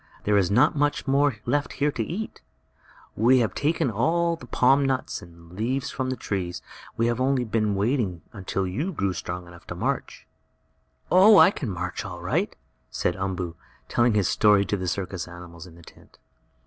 There is not much more left here to eat. We have taken all the palm nuts and leaves from the trees. We have only been waiting until you grew strong enough to march." "Oh, I can march all right," said Umboo, telling his story to the circus animals in the tent.